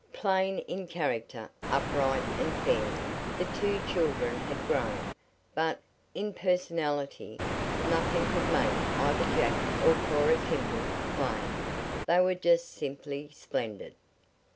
Plain in character, upright and fair, the two children had grown, but, in personality, nothing could make either Jack or Cora Kimball "plain." They were just simply splendid.